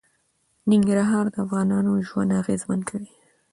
ننګرهار د افغانانو ژوند اغېزمن کوي.